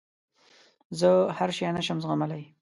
زه هر شی نه شم زغملای.